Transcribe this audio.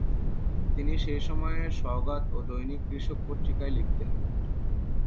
তিনি সেই সময়ে সওগাত ও দৈনিক কৃষক পত্রিকায় লিখতেন।